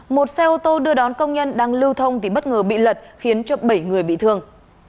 một xe ô tô đưa đón công nhân đang lưu thông thì bất ngờ bị lật khiến cho bảy người bị thương